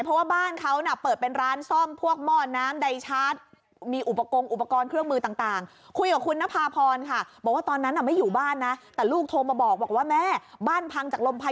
เพราะว่าบ้านเขาเปิดเป็นร้านซ่อมพวกมอดน้ำไดชาร์จ